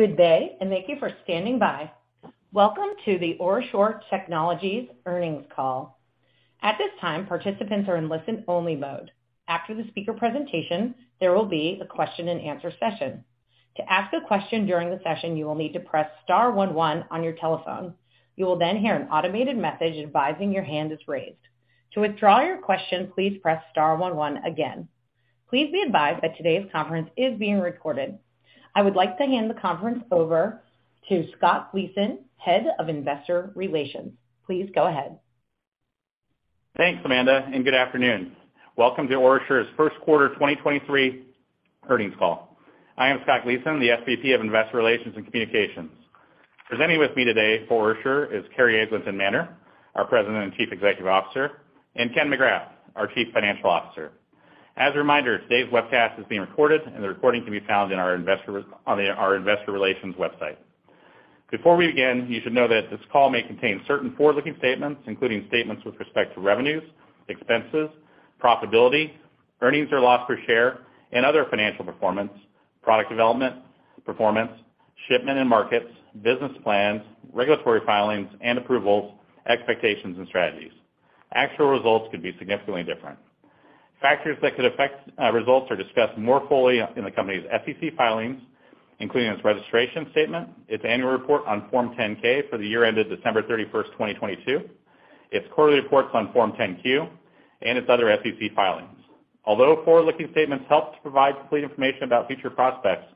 Good day, and thank you for standing by. Welcome to the OraSure Technologies earnings call. At this time, participants are in listen-only mode. After the speaker presentation, there will be a question-and-answer session. To ask a question during the session, you will need to press star one one on your telephone. You will then hear an automated message advising your hand is raised. To withdraw your question, please press star one one again. Please be advised that today's conference is being recorded. I would like to hand the conference over to Scott Gleason, Head of Investor Relations. Please go ahead. Thanks, Amanda. Good afternoon. Welcome to OraSure's first quarter 2023 earnings call. I am Scott Gleason, the SVP of Investor Relations and Communications. Presenting with me today for OraSure is Carrie Eglinton Manner, our President and Chief Executive Officer, and Ken McGrath, our Chief Financial Officer. As a reminder, today's webcast is being recorded, and the recording can be found on our investor relations website. Before we begin, you should know that this call may contain certain forward-looking statements, including statements with respect to revenues, expenses, profitability, earnings or loss per share, and other financial performance, product development, performance, shipment and markets, business plans, regulatory filings and approvals, expectations and strategies. Actual results could be significantly different. Factors that could affect results are discussed more fully in the company's SEC filings, including its registration statement, its annual report on Form 10-K for the year ended December 31st, 2022, its quarterly reports on Form 10-Q, and its other SEC filings. Although forward-looking statements help to provide complete information about future prospects,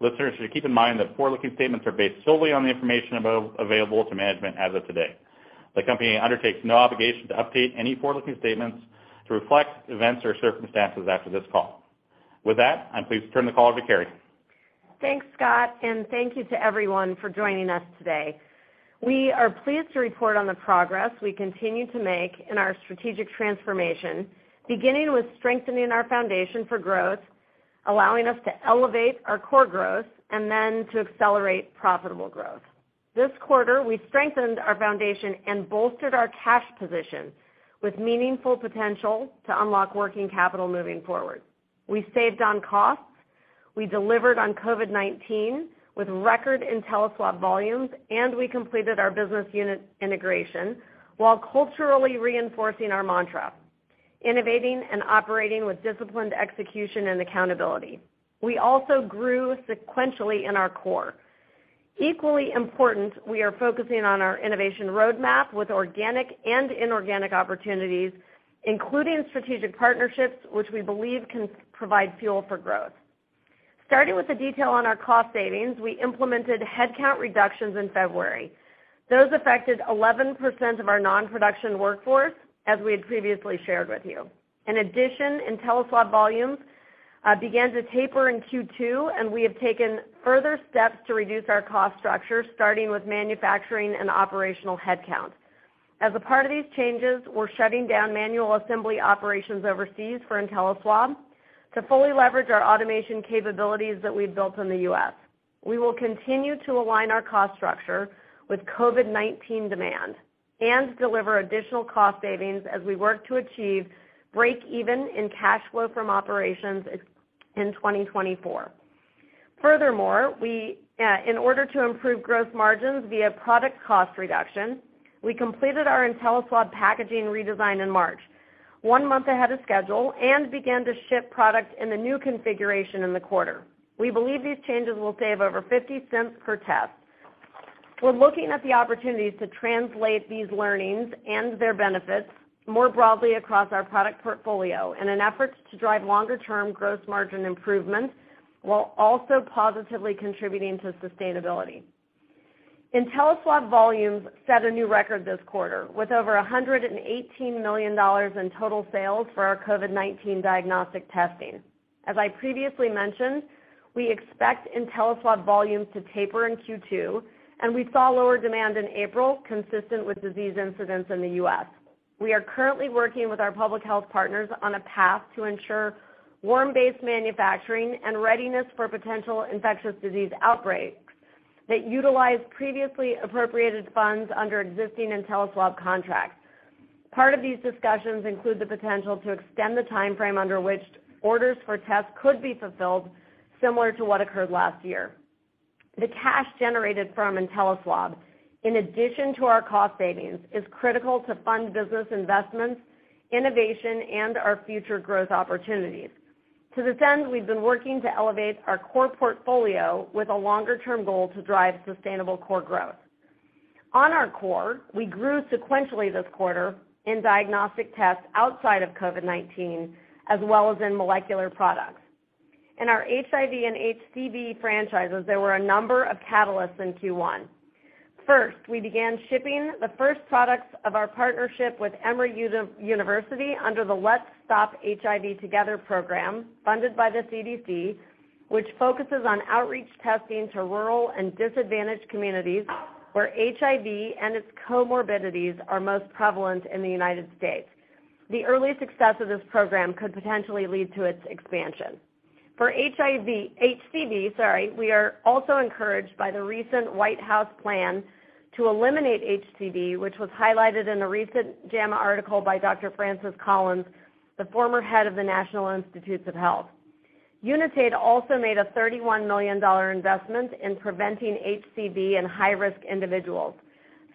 listeners should keep in mind that forward-looking statements are based solely on the information above available to management as of today. The company undertakes no obligation to update any forward-looking statements to reflect events or circumstances after this call. With that, I'm pleased to turn the call over to Carrie. Thanks, Scott. Thank you to everyone for joining us today. We are pleased to report on the progress we continue to make in our strategic transformation, beginning with strengthening our foundation for growth, allowing us to elevate our core growth and then to accelerate profitable growth. This quarter, we strengthened our foundation and bolstered our cash position with meaningful potential to unlock working capital moving forward. We saved on costs, we delivered on COVID-19 with record InteliSwab volumes, and we completed our business unit integration while culturally reinforcing our mantra, innovating and operating with disciplined execution and accountability. We also grew sequentially in our core. Equally important, we are focusing on our innovation roadmap with organic and inorganic opportunities, including strategic partnerships, which we believe can provide fuel for growth. Starting with the detail on our cost savings, we implemented headcount reductions in February. Those affected 11% of our non-production workforce, as we had previously shared with you. In addition, InteliSwab volumes began to taper in Q2, and we have taken further steps to reduce our cost structure, starting with manufacturing and operational headcount. As a part of these changes, we're shutting down manual assembly operations overseas for InteliSwab to fully leverage our automation capabilities that we've built in the U.S. We will continue to align our cost structure with COVID-19 demand and deliver additional cost savings as we work to achieve break even in cash flow from operations in 2024. Furthermore, we in order to improve growth margins via product cost reduction, we completed our InteliSwab packaging redesign in March, one month ahead of schedule, and began to ship product in the new configuration in the quarter. We believe these changes will save over $0.50 per test. We're looking at the opportunities to translate these learnings and their benefits more broadly across our product portfolio in an effort to drive longer-term gross margin improvements while also positively contributing to sustainability. InteliSwab volumes set a new record this quarter, with over $118 million in total sales for our COVID-19 diagnostic testing. As I previously mentioned, we expect InteliSwab volumes to taper in Q2, and we saw lower demand in April consistent with disease incidents in the U.S.. We are currently working with our public health partners on a path to ensure warm-base manufacturing and readiness for potential infectious disease outbreaks that utilize previously appropriated funds under existing InteliSwab contracts. Part of these discussions include the potential to extend the timeframe under which orders for tests could be fulfilled similar to what occurred last year. The cash generated from InteliSwab, in addition to our cost savings, is critical to fund business investments, innovation, and our future growth opportunities. To this end, we've been working to elevate our core portfolio with a longer-term goal to drive sustainable core growth. On our core, we grew sequentially this quarter in diagnostic tests outside of COVID-19, as well as in molecular products. In our HIV and HCV franchises, there were a number of catalysts in Q1. First, we began shipping the first products of our partnership with Emory University under the Let's Stop HIV Together program, funded by the CDC, which focuses on outreach testing to rural and disadvantaged communities where HIV and its comorbidities are most prevalent in the United States. The early success of this program could potentially lead to its expansion. For HIV-- HCV, sorry, we are also encouraged by the recent White House plan to eliminate HCV, which was highlighted in a recent JAMA article by Dr. Francis Collins, the former head of the National Institutes of Health. Unitaid also made a $31 million investment in preventing HCV in high-risk individuals,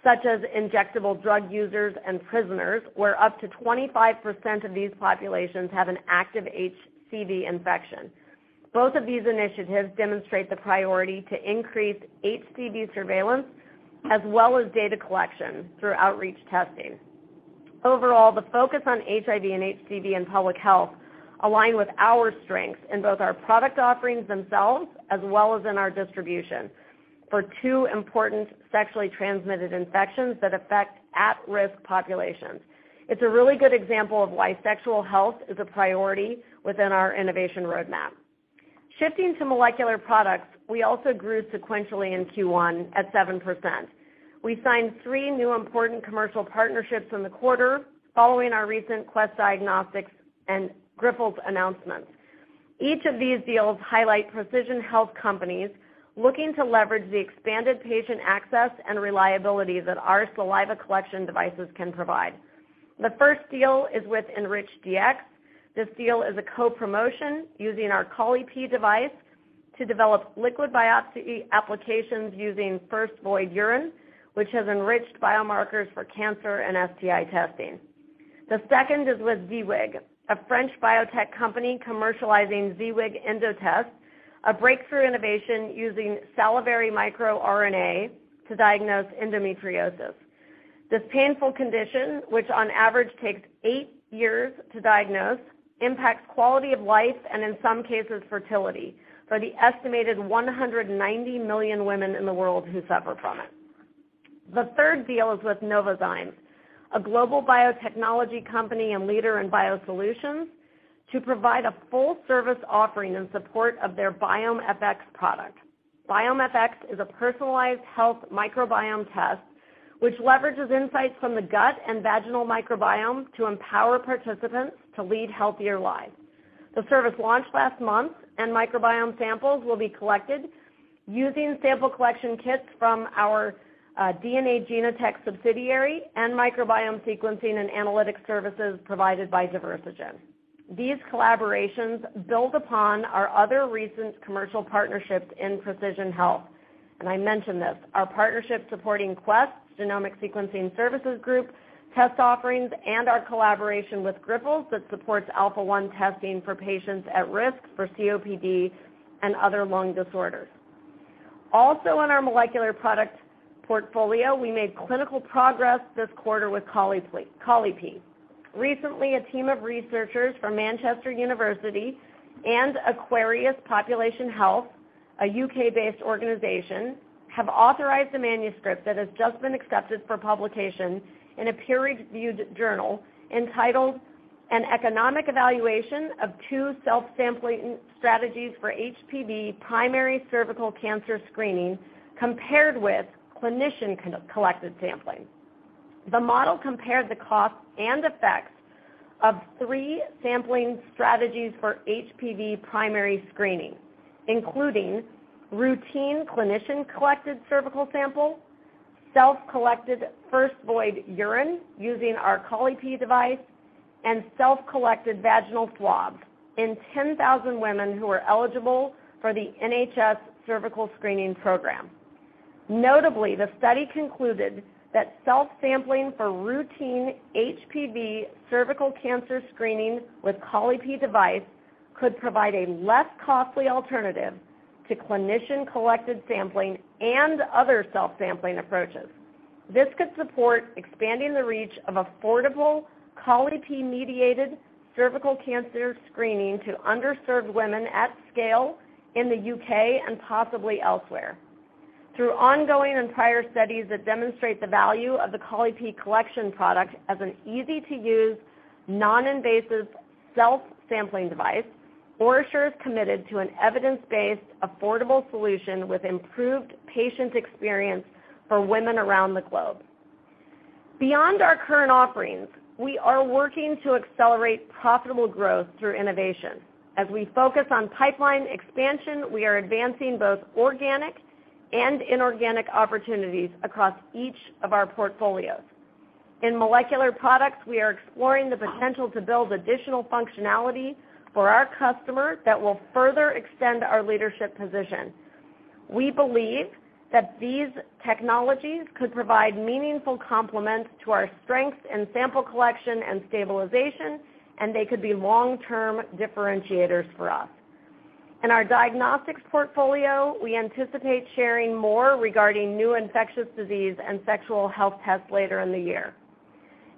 such as injectable drug users and prisoners, where up to 25% of these populations have an active HCV infection. Both of these initiatives demonstrate the priority to increase HCV surveillance as well as data collection through outreach testing. Overall, the focus on HIV and HCV in public health align with our strengths in both our product offerings themselves, as well as in our distribution for two important sexually transmitted infections that affect at-risk populations. It's a really good example of why sexual health is a priority within our innovation roadmap. Shifting to molecular products, we also grew sequentially in Q1 at 7%. We signed three new important commercial partnerships in the quarter following our recent Quest Diagnostics and Grifols announcements. Each of these deals highlight precision health companies looking to leverage the expanded patient access and reliability that our saliva collection devices can provide. The first deal is with nRichDX. This deal is a co-promotion using our Colli-Pee device to develop liquid biopsy applications using first void urine, which has enriched biomarkers for cancer and STI testing. The second is with Ziwig, a French biotech company commercializing Ziwig Endotest, a breakthrough innovation using salivary microRNA to diagnose endometriosis. This painful condition, which on average takes eight years to diagnose, impacts quality of life and in some cases fertility for the estimated 190 million women in the world who suffer from it. The third deal is with Novozymes, a global biotechnology company and leader in biosolutions, to provide a full service offering in support of their BiomeFx product. BiomeFx is a personalized health microbiome test which leverages insights from the gut and vaginal microbiome to empower participants to lead healthier lives. The service launched last month, and microbiome samples will be collected using sample collection kits from our DNA Genotek subsidiary and microbiome sequencing and analytic services provided by Diversigen. These collaborations build upon our other recent commercial partnerships in precision health, and I mentioned this, our partnership supporting Quest, Genomic Sequencing Services Group test offerings and our collaboration with Grifols that supportsntesting for patients at risk for COPD and other lung disorders. Also in our molecular product portfolio, we made clinical progress this quarter with Colli-Pee. Recently, a team of researchers from The University of Manchester and Aquarius Population Health, a U.K.-based organization, have authorized a manuscript that has just been accepted for publication in a peer-reviewed journal entitled An Economic Evaluation of Two Self-Sampling Strategies for HPV Primary Cervical Cancer Screening Compared with Clinician Collect-Collected Sampling. The model compared the costs and effects of three sampling strategies for HPV primary screening, including routine clinician-collected cervical sample, self-collected first void urine using our Colli-Pee device, and self-collected vaginal swabs in 10,000 women who are eligible for the NHS cervical screening program. Notably, the study concluded tht self-sampling for routine HPV cervical cancer screening with Colli-Pee device could provide a less costly alternative to clinician-collected sampling and other self-sampling approaches. This could support expanding the reach of affordable Colli-Pee-mediated cervical cancer screening to underserved women at scale in the U.K. and possibly elsewhere. Through ongoing and prior studies that demonstrate the value of the Colli-Pee collection product as an easy-to-use, non-invasive self-sampling device, OraSure is committed to an evidence-based, affordable solution with improved patient experience for women around the globe. Beyond our current offerings, we are working to accelerate profitable growth through innovation. As we focus on pipeline expansion, we are advancing both organic and inorganic opportunities across each of our portfolios. In molecular products, we are exploring the potential to build additional functionality for our customer that will further extend our leadership position. We believe that these technologies could provide meaningful complements to our strengths in sample collection and stabilization, and they could be long-term differentiators for us. In our diagnostics portfolio, we anticipate sharing more regarding new infectious disease and sexual health tests later in the year.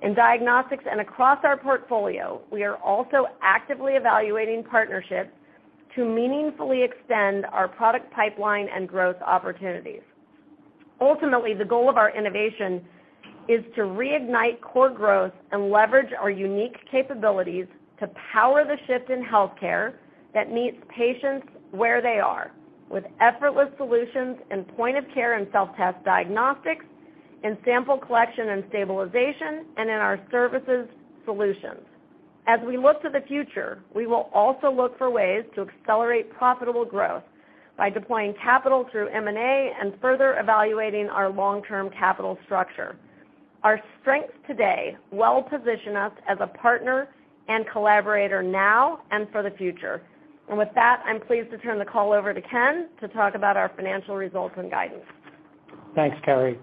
In diagnostics and across our portfolio, we are also actively evaluating partnerships to meaningfully extend our product pipeline and growth opportunities. Ultimately, the goal of our innovation is to reignite core growth and leverage our unique capabilities to power the shift in healthcare that meets patients where they are with effortless solutions in point of care and self-test diagnostics, in sample collection and stabilization, and in our services solutions. As we look to the future, we will also look for ways to accelerate profitable growth by deploying capital through M&A and further evaluating our long-term capital structure. Our strengths today well position us as a partner and collaborator now and for the future. With that, I'm pleased to turn the call over to Ken to talk about our financial results and guidance. Thanks, Carrie.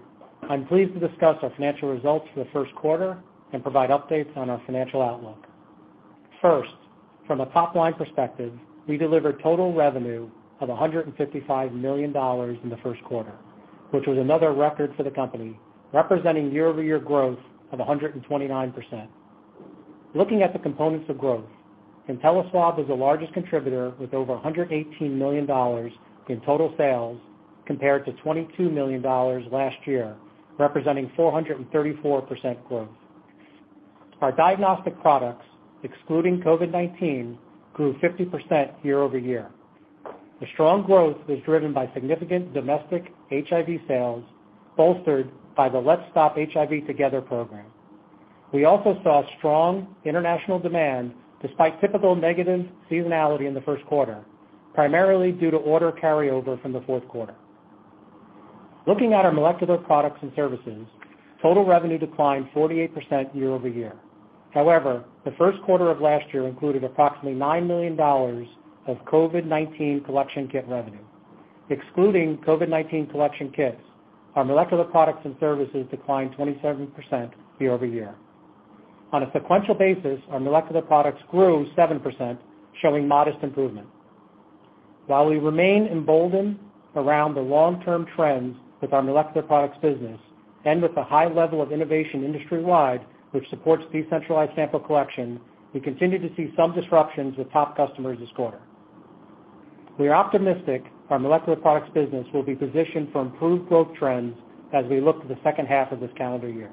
I'm pleased to discuss our financial results for the first quarter and provide updates on our financial outlook. First, from a top-line perspective, we delivered total revenue of $155 million in the first quarter, which was another record for the company, representing year-over-year growth of 129%. Looking at the components of growth, InteliSwab was the largest contributor with over $118 million in total sales, compared to $22 million last year, representing 434% growth. Our diagnostic products, excluding COVID-19, grew 50% year-over-year. The strong growth was driven by significant domestic HIV sales, bolstered by the Let's Stop HIV Together program. We also saw strong international demand despite typical negative seasonality in the first quarter, primarily due to order carryover from the fourth quarter. Looking at our molecular products and services, total revenue declined 48% year-over-year. The 1st quarter of last year included approximately $9 million of COVID-19 collection kit revenue. Excluding COVID-19 collection kits, our molecular products and services declined 27% year-over-year. On a sequential basis, our molecular products grew 7%, showing modest improvement. We remain emboldened around the long-term trends with our molecular products business and with the high level of innovation industry-wide, which supports decentralized sample collection, we continue to see some disruptions with top customers this quarter. We are optimistic our molecular products business will be positioned for improved growth trends as we look to the second half of this calendar year.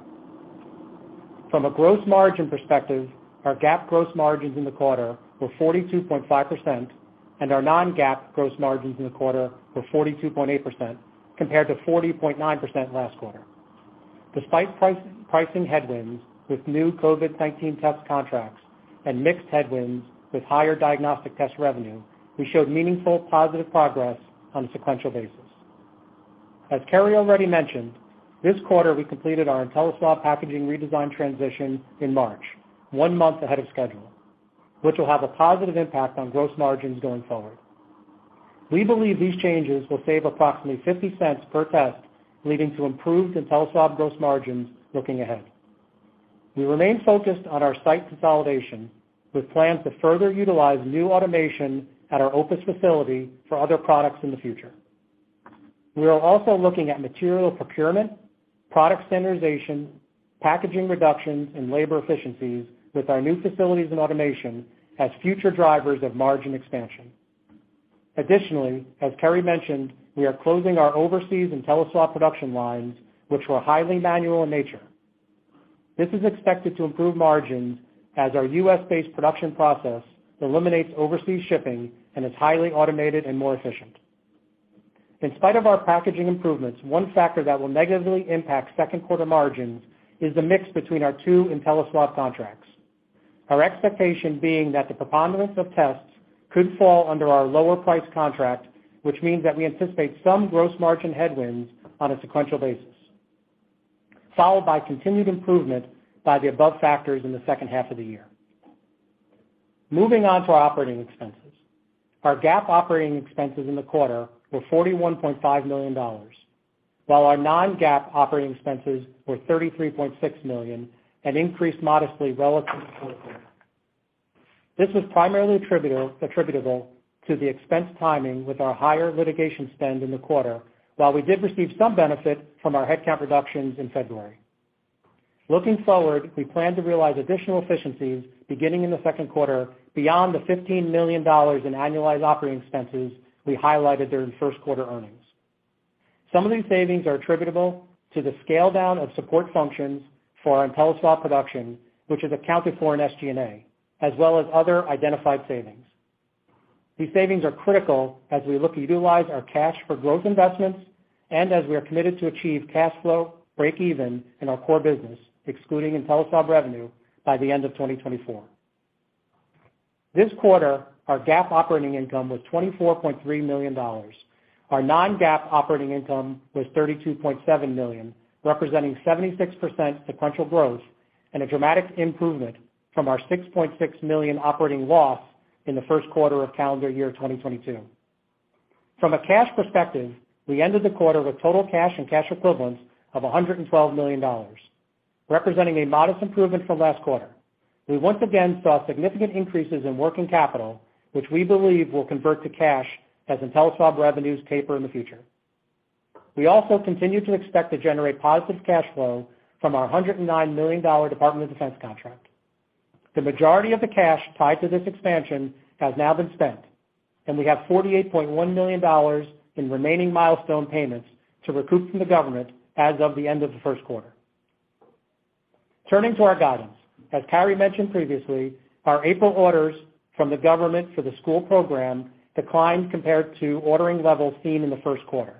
From a gross margin perspective, our GAAP gross margins in the quarter were 42.5%, and our non-GAAP gross margins in the quarter were 42.8% compared to 40.9% last quarter. Despite pricing headwinds with new COVID-19 test contracts and mixed headwinds with higher diagnostic test revenue, we showed meaningful positive progress on a sequential basis. As Carrie already mentioned, this quarter, we completed our InteliSwab packaging redesign transition in March, one month ahead of schedule, which will have a positive impact on gross margins going forward. We believe these changes will save approximately $0.50 per test, leading to improved InteliSwab gross margins looking ahead. We remain focused on our site consolidation, with plans to further utilize new automation at our Opus facility for other products in the future. We are also looking at material procurement, product standardization, packaging reductions, and labor efficiencies with our new facilities and automation as future drivers of margin expansion. Additionally, as Carrie mentioned, we are closing our overseas InteliSwab production lines, which were highly manual in nature. This is expected to improve margins as our U.S.-based production process eliminates overseas shipping and is highly automated and more efficient. In spite of our packaging improvements, one factor that will negatively impact second quarter margins is the mix between our two InteliSwab contracts. Our expectation being that the preponderance of tests could fall under our lower price contract, which means that we anticipate some gross margin headwinds on a sequential basis, followed by continued improvement by the above factors in the second half of the year. Moving on to our operating expenses. Our GAAP operating expenses in the quarter were $41.5 million, while our non-GAAP operating expenses were $33.6 million and increased modestly relative to the fourth quarter. This was primarily attributable to the expense timing with our higher litigation spend in the quarter, while we did receive some benefit from our headcount reductions in February. Looking forward, we plan to realize additional efficiencies beginning in the second quarter beyond the $15 million in annualized operating expenses we highlighted during first quarter earnings. Some of these savings are attributable to the scale-down of support functions for our InteliSwab production, which is accounted for in SG&A, as well as other identified savings. These savings are critical as we look to utilize our cash for growth investments and as we are committed to achieve cash flow breakeven in our core business, excluding InteliSwab revenue, by the end of 2024. This quarter, our GAAP operating income was $24.3 million. Our non-GAAP operating income was $32.7 million, representing 76% sequential growth and a dramatic improvement from our $6.6 million operating loss in the first quarter of calendar year 2022. From a cash perspective, we ended the quarter with total cash and cash equivalents of $112 million, representing a modest improvement from last quarter. We once again saw significant increases in working capital, which we believe will convert to cash as InteliSwab revenues taper in the future. We also continue to expect to generate positive cash flow from our $109 million Department of Defense contract. The majority of the cash tied to this expansion has now been spent, and we have $48.1 million in remaining milestone payments to recruit from the government as of the end of the first quarter. Turning to our guidance. As Carrie mentioned previously, our April orders from the government for the school program declined compared to ordering levels seen in the first quarter.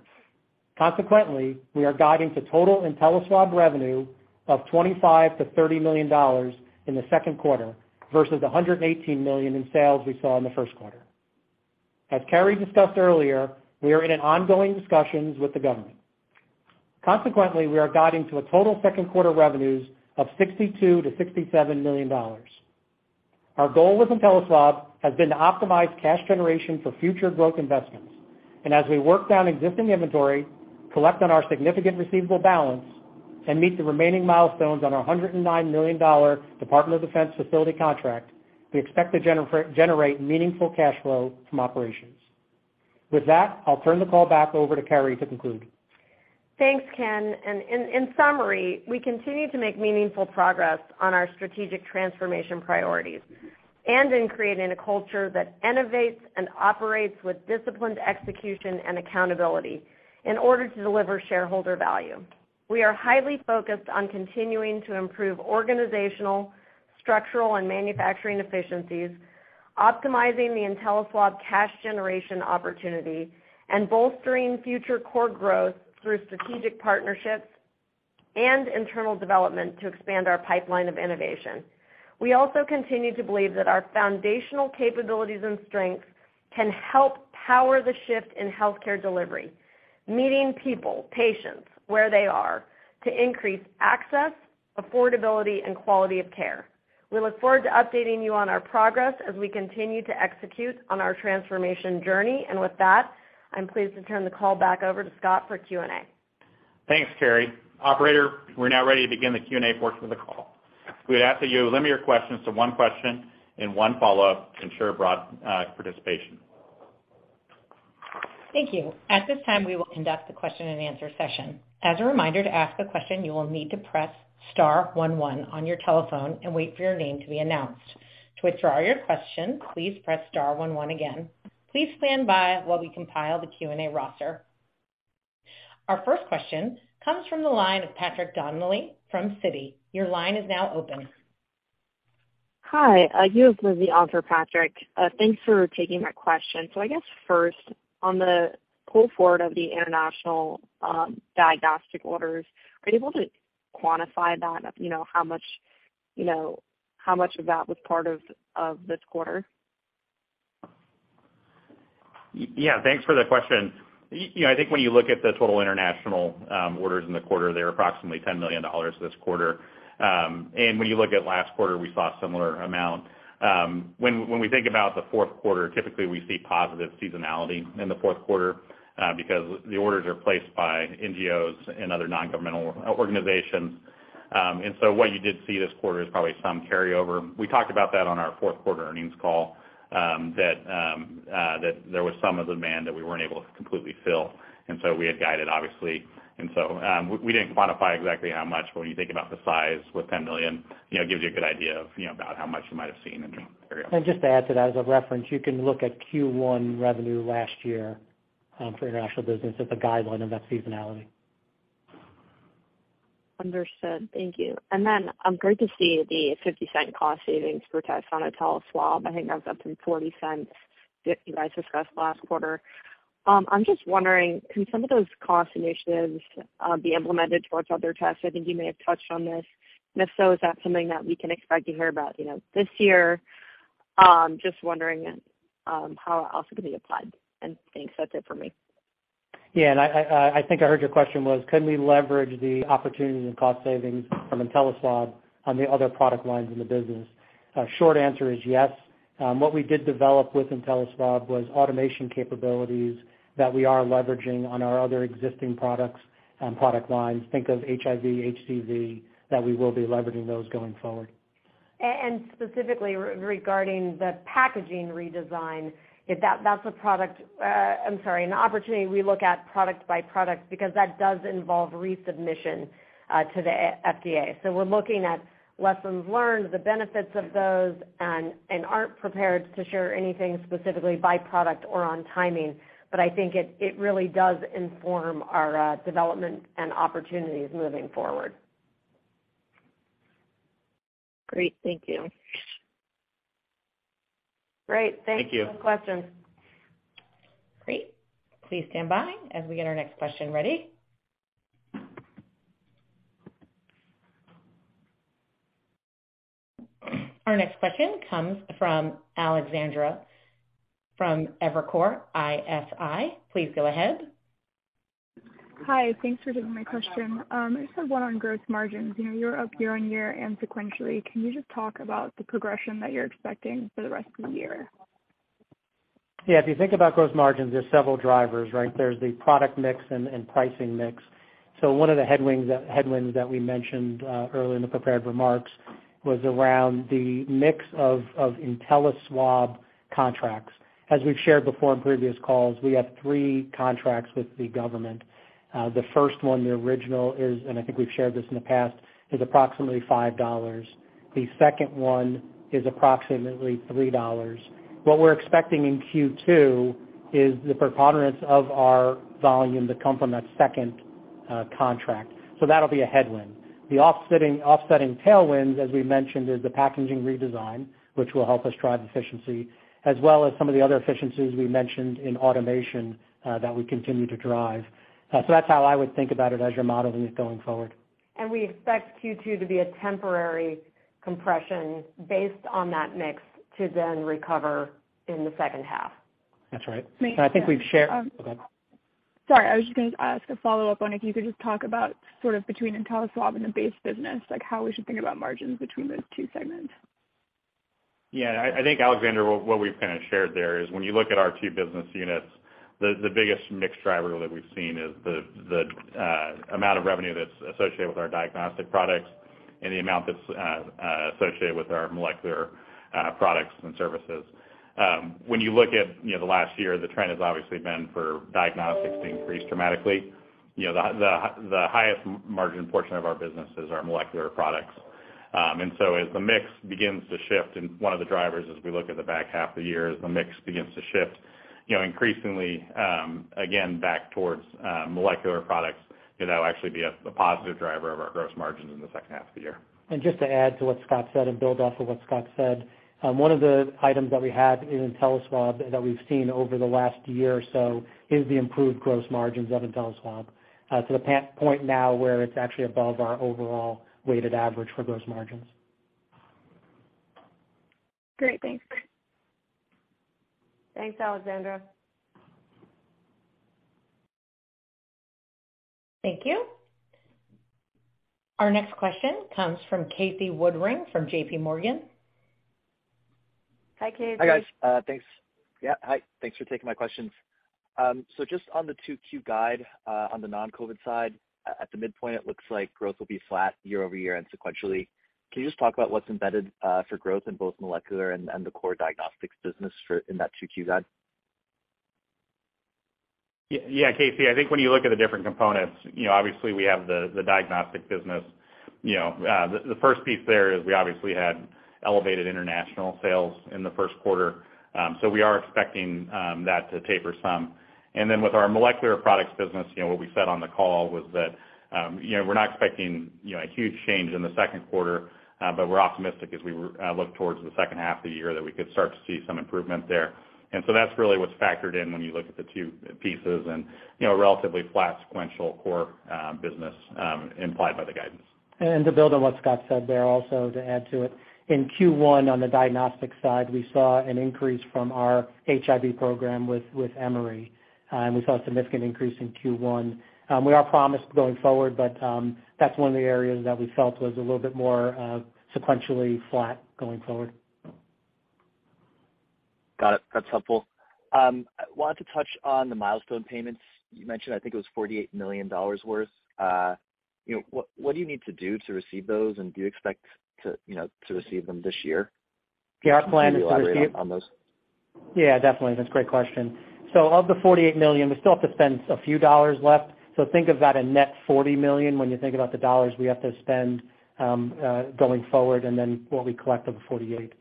Consequently, we are guiding to total InteliSwab revenue of $25 million-$30 million in the second quarter versus the $118 million in sales we saw in the first quarter. As Carrie discussed earlier, we are in an ongoing discussions with the government. Consequently, we are guiding to a total second quarter revenues of $62 million-$67 million. Our goal with InteliSwab has been to optimize cash generation for future growth investments. As we work down existing inventory, collect on our significant receivable balance, and meet the remaining milestones on our $109 million Department of Defense facility contract, we expect to generate meaningful cash flow from operations. With that, I'll turn the call back over to Carrie to conclude. Thanks, Ken. In summary, we continue to make meaningful progress on our strategic transformation priorities and in creatinga a culture that innovates and operates with disciplined execution and accountability in order to deliver shareholder value. We are highly focused on continuing to improve organizational, structural and manufacturing efficiencies, optimizing the InteliSwab cash generation opportunity, and bolstering future core growth through strategic partnerships and internal development to expand our pipeline of innovation. We also continue to believe that our foundational capabilities and strengths can help power the shift in healthcare delivery, meeting people, patients where they are to increase access, affordability, and quality of care. We look forward to updating you on our progress as we continue to execute on our transformation journey. With that, I'm pleased to turn the call back over to Scott for Q and A. Thanks, Carrie. Operator, we're now ready to begin the Q and A portion of the call. We'd ask that you limit your questions to one question and one follow-up to ensure broad participation. Thank you. At this time, we will conduct a question-and-answer session. As a reminder, to ask a question, you will need to press star one one on your telephone and wait for your name to be announced. To withdraw your question, please press star one one again. Please stand by while we compile the Q and A roster. Our first question comes from the line of Patrick Donnelly from Citi. Your line is now open. Hi. You have me on for Patrick. Thanks for taking my question. I guess first, on the pull forward of the international diagnostic orders, are you able to quantify that? You know, how much, you know, how much of that was part of this quarter? Yeah, thanks for the question. You know, I think when you look at the total international orders in the quarter, they were approximately $10 million this quarter. When you look at last quarter, we saw a similar amount. When we think about the fourth quarter, typically we see positive seasonality in the fourth quarter because the orders are placed by NGOs and other non-governmental organizations. What you did see this quarter is probably some carryover. We talked about that on our fourth quarter earnings call that there was some of the demand that we weren't able to completely fill, we had guided, obviously. We didn't quantify exactly how much, but when you think about the size with $10 million, you know, it gives you a good idea of, you know, about how much you might have seen in terms of carryover. Just to add to that, as a reference, you can look at Q1 revenue last year, for international business as a guideline of that seasonality. Understood. Thank you. I'm glad to see the $0.50 cost savings per test on InteliSwab. I think that was up from $0.40 that you guys discussed last quarter. I'm just wondering, can some of those cost initiatives be implemented towards other tests? I think you may have touched on this. If so, is that something that we can expect to hear about, you know, this year? Just wondering how else it could be applied. Thanks. That's it for me. Yeah. I think I heard your question was, can we leverage the opportunities and cost savings from InteliSwab on the other product lines in the business? Short answer is yes. What we did develop with InteliSwab was automation capabilities that we are leveraging on our other existing products and product lines. Think of HIV, HCV, that we will be leveraging those going forward. specifically regarding the packaging redesign, if that's a product. I'm sorry, an opportunity we look at product by product because that does involve resubmission to the FDA. We're looking at lessons learned, the benefits of those, and aren't prepared to share anything specifically by product or on timing. I think it really does inform our development and opportunities moving forward. Great. Thank you. Great. Thanks for those questions. Thank you. Great. Please stand by as we get our next question ready. Our next question comes from Alexandra from Evercore ISI. Please go ahead. Hi. Thanks for taking my question. I just have one on gross margins. You know, you're up year on year and sequentially. Can you just talk about the progression that you're expecting for the rest of the year? Yeah. If you think about growth margins, there's several drivers, right? There's the product mix and pricing mix. One of the headwinds that headwinds that we mentioned earlier in the prepared remarks was around the mix of InteliSwab contracts. As we've shared before in previous calls, we have three contracts with the government. The first one, the original is, and I think we've shared this in the past, is approximately $5. The second one is approximately $3. What we're expecting in Q2 is the preponderance of our volume to come from that second contract. That'll be a headwind. The offsetting tailwinds, as we mentioned, is the packaging redesign, which will help us drive efficiency, as well as some of the other efficiencies we mentioned in automation that we continue to drive. That's how I would think about it as you're modeling it going forward. We expect Q2 to be a temporary compression based on that mix to then recover in the second half. That's right. I think we've shared... Go ahead. Sorry, I was just gonna ask a follow-up on if you could just talk about sort of between InteliSwab and the base business, like how we should think about margins between those two segments? I think, Alexandra, what we've kind of shared there is when you look at our two business units, the biggest mix driver that we've seen is the amount of revenue that's associated with our diagnostic products and the amount that's associated with our molecular products and services. When you look at, you know, the last year, the trend uas obviously been for diagnostics to increase dramatically. You know, the highest margin portion of our business is our molecular products. As the mix begins to shift, and one of the drivers as we look at the back half of the year, as the mix begins to shift, you know, increasingly, again back towards molecular products, you know, that'll actually be a positive driver of our gross margin in the second half of the year. Just to add to what Scott said and build off of what Scott said, one of the items that we have in InteliSwab that we've seen over the last year or so is the improved gross margins of InteliSwab, to the point now where it's actually above our overall weighted average for gross margins. Great. Thanks. Thanks, Alexandra. Thank you. Our next question comes from Casey Woodring from JP Morgan. Hi, Casey. Hi, guys. Thanks. Yeah, hi. Thanks for taking my questions. Just on the Q2 guide, on the non-COVID side, at the midpoint, it looks like growth will be flat year-over-year and sequentially. Can you just talk about what's embedded for growth in both molecular and the core diagnostics business for, in that Qa guide? Yeah. Casey, I think when you look at the different components, you know, obviously, we have the diagnostic business. You know, the first piece there is we obviously had elevated international sales in the first quarter, so we are expecting that to taper some. Then with our molecular products business, you know, what we said on the call was that, you know, we're not expecting, you know, a huge change in the second quarter, but we're optimistic as we look towards the second half of the year that we could start to see some improvement there. So that's really what's factored in when you look at the two pieces and, you know, relatively flat sequential core business implied by the guidance. To build on what Scott said there, also to add to it, in Q1 on the diagnostic side, we saw an increase from our HIV program with Emory, and we saw a significant increase in Q1. We are promised going forward, that's one of the areas that we felt was a little bit more sequentially flat going forward. Got it. That's helpful. I wanted to touch on the milestone payments. You mentioned, I think it was $48 million worth. You know, what do you need to do to receive those? Do you expect to, you know, to receive them this year? Yeah, our plan is to. Can you elaborate on those? Yeah, definitely. That's a great question. Of the $48 million, we still have to spend a few dollars left. Think of that a net $40 million when you think about the dollars we have to spend going forward and then what we collect of the 48.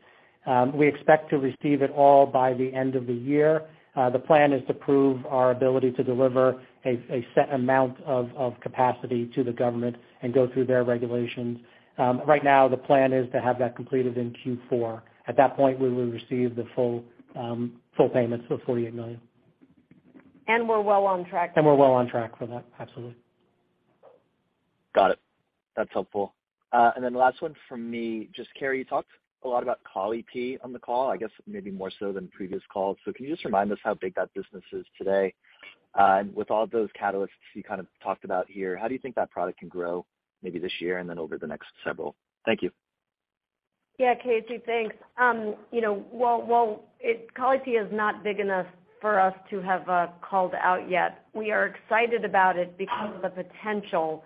We expect to receive it all by the end of the year. The plan is to prove our ability to deliver a set amount of capacity to the government and go through their regulations. Right now the plan is to have that completed in Q4. At that point, we will receive the full payments, so $48 million. We're well on track for that. We're well on track for that, absolutely. Got it. That's helpful. Last one from me. Just Carrie, you talked a lot about Colli-Pee on the call, I guess maybe more so than previous calls. Can you just remind us how big that business is today? With all those catalysts you kind of talked about here, how do you think that product can grow maybe this year and then over the next several? Thank you. Yeah, Casey. Thanks. You know, while Colli-Pee is not big enough for us to have called out yet, we are excited about it because of the potential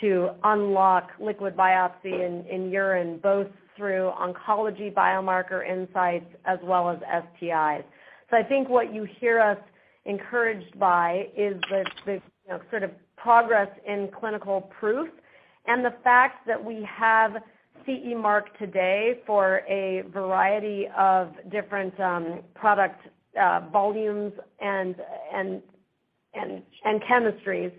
to unlock liquid biopsy in urine, both through oncology biomarker insights as well as STIs. I think what you hear us encouraged by is the, you know, sort of progress in clinical proof and the fact that we have CE marking today for a variety of different product volumes and chemistries.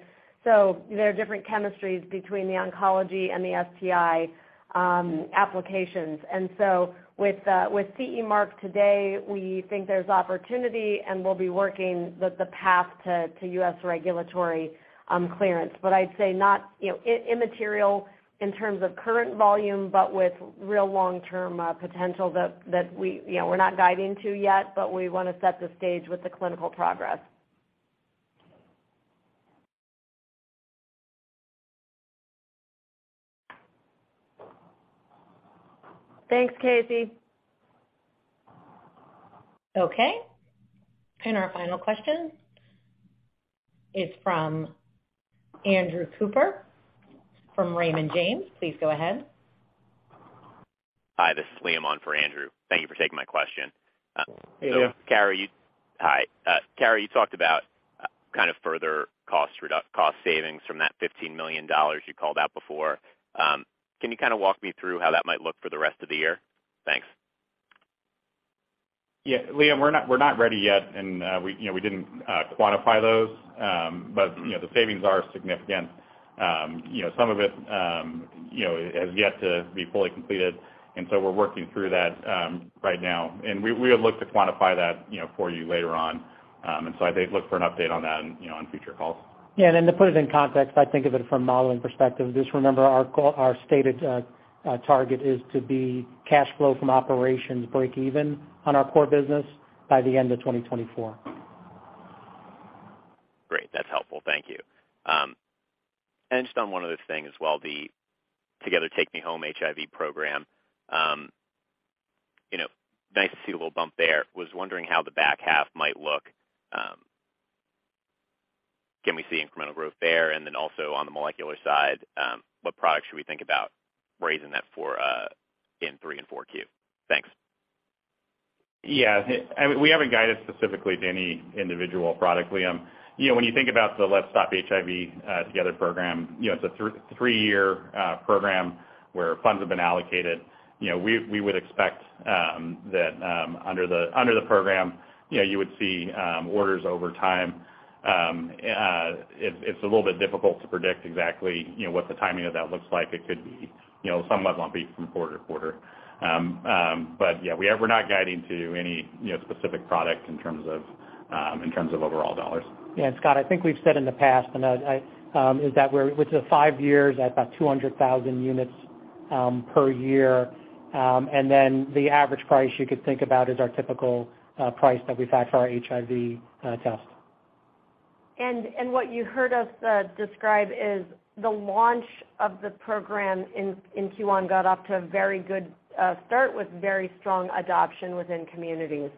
There are different chemistries between the oncology and the STI applications. With CE marking today, we think there's opportunity, and we'll be working the path to U.S. regulatory clearance. I'd say not, you know, immaterial in terms of current volume, but with real long-term potential that we, you know, we're not guiding to yet, but we wanna set the stage with the clinical progress. Thanks, Casey. Okay. Our final question is from Andrew Cooper from Raymond James. Please go ahead. Hi, this is Liam on for Andrew. Thank you for taking my question. Hey, Liam. Carrie, you... Hi. Carrie, you talked about, kind of further cost savings from that $15 million you called out before. Can you kinda walk me through how that might look for the rest of the year? Thanks. Yeah, Liam, we're not, we're not ready yet, and we, you know, we didn't quantify those. You know, the savings are significant. You know, some of it, you know, has yet to be fully completed, and so we're working through that right now. We, we'll look to quantify that, you know, for you later on. I'd say look for an update on that, you know, on future calls. Yeah, then to put it in context, I think of it from modeling perspective. Just remember our stated target is to be cash flow from operations breakeven on our core business by the end of 2024. Great. That's helpful. Thank you. Just on one other thing as well, the Together Take Me Home HIV program. You know, nice to see a little bump there. Was wondering how the back half might look? Can we see incremental growth there? Then also on the molecular side, what products should we think about raising that for, in three and four Q? Thanks. Yeah. I mean, we haven't guided specifically to any individual product, Liam. You know, when you think about the Let's Stop HIV Together program, you know, it's a three-year program where funds have been allocated. You know, we would expect that under the program, you know, you would see orders over time. It's a little bit difficult to predict exactly, you know, what the timing of that looks like. It could be, you know, somewhat lumpy from quarter to quarter. Yeah, We're not guiding to any, you know, specific product in terms of overall dollars. Yeah. Scott, I think we've said in the past, is that with the five years at about 200,000 units per year, the average price you could think about is our typical price that we factor our HIV test. What you heard us describe is the launch of the program in Q1 got off to a very good start with very strong adoption within communities.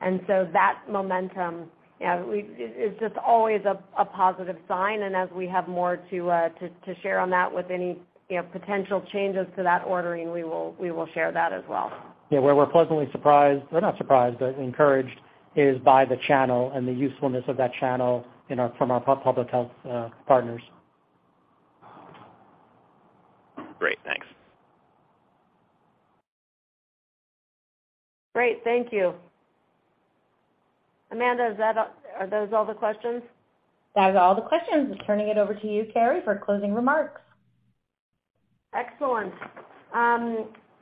That momentum, you know, It's just always a positive sign, and as we have more to share on that with any, you know, potential changes to that ordering, we will share that as well. Yeah. Where we're pleasantly surprised, or not surprised, but encouraged, is by the channel and the usefulness of that channel from our public health partners. Great. Thanks. Great. Thank you. Amanda, are those all the questions? That is all the questions. Just turning it over to you, Carrie, for closing remarks. Excellent.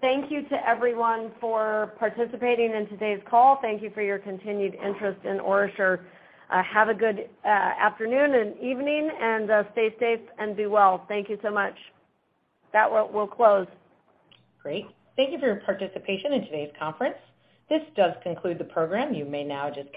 Thank you to everyone for participating in today's call. Thank you for your continued interest in OraSure. Have a good afternoon and evening, and stay safe and be well. Thank you so much. That we'll close. Great. Thank you for your participation in today's conference. This does conclude the program. You may now disconnect.